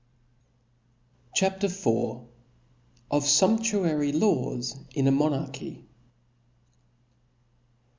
CHAP. IV. Of fumptuary Laws in a Monarchy.